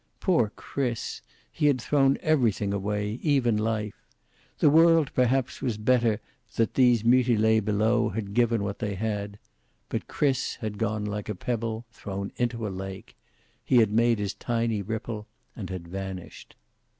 Poor Chris! He had thrown everything away, even life. The world perhaps was better that these mutilees below had given what they had. But Chris had gone like a pebble thrown into a lake. He had made his tiny ripple and had vanished.